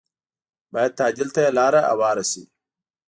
بايد تعديل ته یې لاره هواره شي